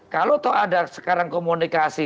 kalau ada sekarang komunikasi